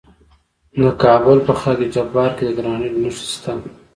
د کابل په خاک جبار کې د ګرانیټ نښې شته.